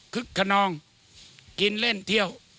คนนองกินเล่นเที่ยว